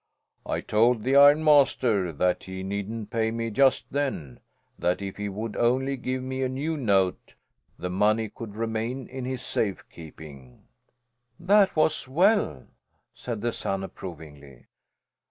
"I told the ironmaster that he needn't pay me just then; that if he would only give me a new note the money could remain in his safekeeping." "That was well," said the son approvingly.